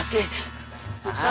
kejadiannya sama kayak kemarin